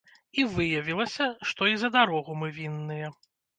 І выявілася, што і за дарогу мы вінныя.